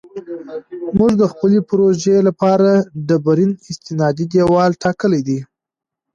موږ د خپلې پروژې لپاره ډبرین استنادي دیوال ټاکلی دی